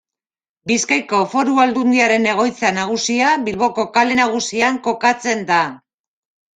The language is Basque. Bizkaiko Foru Aldundiaren egoitza nagusia Bilboko Kale Nagusian kokatzen da.